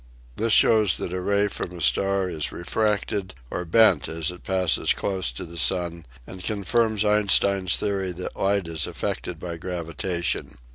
This shows that a ray from a star is refracted or bent as it passes close to the sun and confirms Einstein's theory that light is af fected by gravitation.